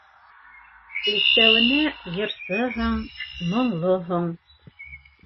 Өҫтәүенә, йырсыһың, моңлоһоң...